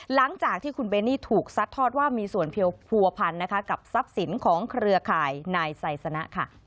หลังจากที่คุณเบนี่ถูกซัดทอดว่ามีส่วนเพียงผัวพันนะคะกับทรัพย์สินของเครือข่ายนายไซสนะ